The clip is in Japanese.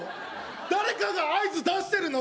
誰かが合図出してるの？